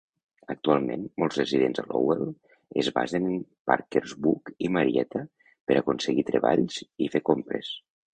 Actualment, molts residents de Lowell es basen en Parkersburg i Marietta per aconseguir treballs i fer compres.